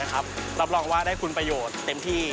รับรองว่าได้คุณประโยชน์เต็มที่